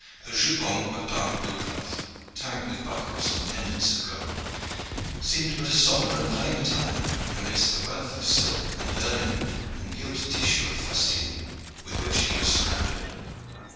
A jupon of dark blue cloth, tagged with buckles and pendants of gold, seemed but a sombre and plain attire amidst the wealth of silk and ermine and gilt tissue of fustian with which he was surrounded.